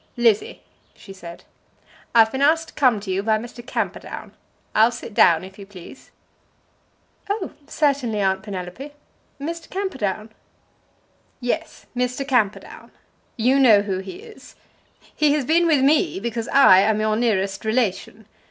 "Lizzie," she said, "I've been asked to come to you by Mr. Camperdown. I'll sit down, if you please." "Oh, certainly, Aunt Penelope. Mr. Camperdown!" "Yes; Mr. Camperdown. You know who he is. He has been with me because I am your nearest relation.